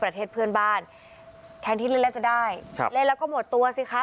ประเทศเพื่อนบ้านแทนที่เล่นเล่นจะได้ครับเล่นแล้วก็หมดตัวสิคะ